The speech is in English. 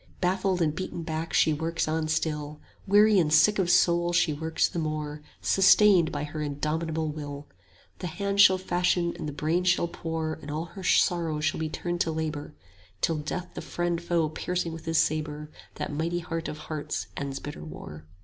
Baffled and beaten back she works on still, 50 Weary and sick of soul she works the more, Sustained by her indomitable will: The hands shall fashion and the brain shall pore, And all her sorrow shall be turned to labour, Till Death the friend foe piercing with his sabre 55 That mighty heart of hearts ends bitter war.